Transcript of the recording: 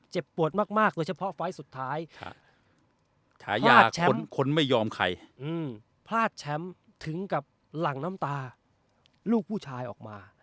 เจ็บปวดมากโดยเฉพาะไฟล์สุดท้ายพลาดแชมป์ถึงกับหลังน้ำตาลูกผู้ชายออกมา